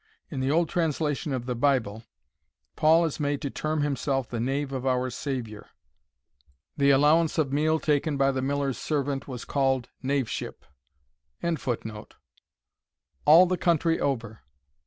In the old translation of the Bible, Paul is made to term himself the knave of our Saviour. The allowance of meal taken by the miller's servant was called knave ship.] all the country over."